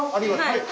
はい。